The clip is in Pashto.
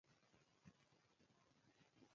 له مذهب سره چلند عواملو څخه ګڼل کېږي.